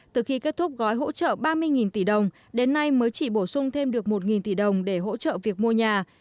từ khi kết thúc gói hỗ trợ ba mươi tỷ đồng đến nay mới chỉ bổ sung thêm được một tỷ đồng để hỗ trợ việc mua nhà